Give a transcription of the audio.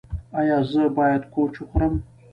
ایا زه باید کوچ وخورم؟